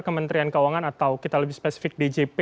kementerian keuangan atau kita lebih spesifik djp